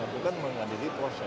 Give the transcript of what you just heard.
bukan mengandalkan proses